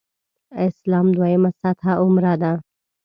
اسلام دویمه سطح عمره ده.